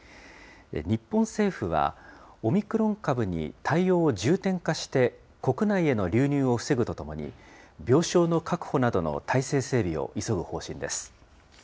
日本政府は、オミクロン株に対応を重点化して、国内への流入を防ぐとともに、病床の確保などの体制整備を急ぐ方針です。